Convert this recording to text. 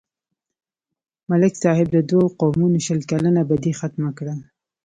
ملک صاحب د دوو قومونو شل کلنه بدي ختمه کړه.